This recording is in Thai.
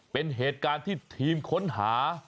เป็นเหตุการณ์ที่ทีมค้นหา